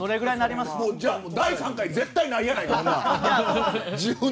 じゃあ第３回、絶対ないやんか。